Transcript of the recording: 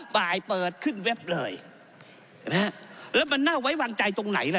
เปิดขึ้นเว็บเลยนะฮะแล้วมันน่าไว้วางใจตรงไหนล่ะ